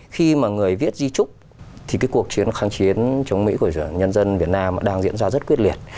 khi mà người viết di trúc thì cái cuộc chiến kháng chiến chống mỹ của nhân dân việt nam đang diễn ra rất quyết liệt